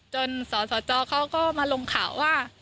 สสจเขาก็มาลงข่าวว่า